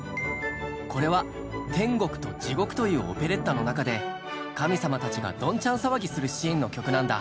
これは「天国と地獄」というオペレッタの中で神様たちがどんちゃん騒ぎするシーンの曲なんだ。